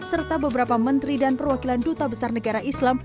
serta beberapa menteri dan perwakilan duta besar negara islam